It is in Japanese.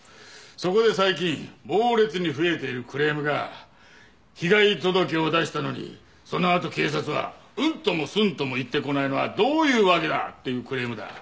そこで最近猛烈に増えているクレームが「被害届を出したのにそのあと警察はうんともすんとも言ってこないのはどういうわけだ！」っていうクレームだ。